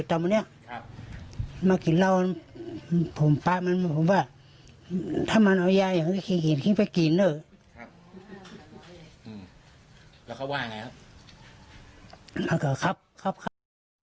กินเลยครับอืมแล้วเขาว่าไงครับครับครับครับ